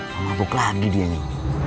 mabuk lagi dia nih